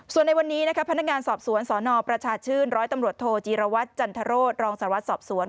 ส่วนในวันนี้นะคะพนักงานสอบสวนสนประชาชื่นร้อยตำรวจโทจีรวัตรจันทรโรศรองสารวัตรสอบสวน